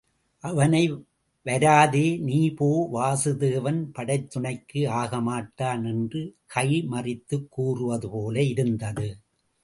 அவனை வராதே நீ போ வாசுதேவன் படைத் துணைக்கு ஆகமாட்டான் என்று கை மறித்துக் கூறுவது போல இருந்தது.